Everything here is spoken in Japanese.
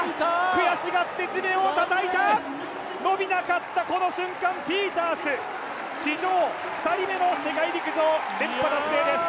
悔しがって地面をたたいた、伸びなかったこの瞬間、史上２人目の世界陸上、連覇達成です。